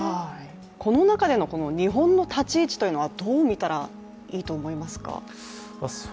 この中での日本の立ち位置はどう見たらいいと思いますか？